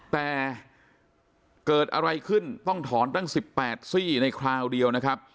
แต่เกิดอะไรขึ้นต้องถอนตั้ง๑๘ซี่ในคราวเดียวนะครับ